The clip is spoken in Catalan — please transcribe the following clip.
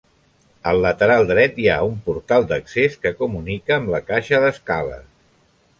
Al lateral dret hi ha un portal d'accés que comunica amb la caixa d'escales.